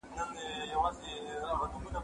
زه مکتب ته تللي دي؟!